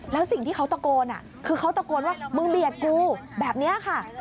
แล้วสิ่งที่เขาตะโกนคือเขาตะโกนว่ามึงเบียดกูแบบนี้ค่ะ